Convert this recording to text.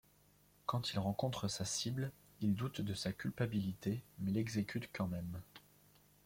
Quand il rencontre sa cible, il doute de sa culpabilité, mais l'exécute quand même.